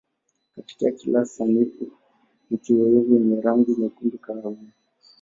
Katika hali sanifu ni kiowevu yenye rangi nyekundu kahawia.